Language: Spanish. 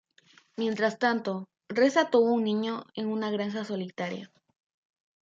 Mientras tanto, Resa tuvo un niño en una granja solitaria.